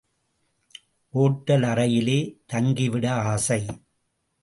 Hotel அறையிலே தங்கிவிட ஆசை.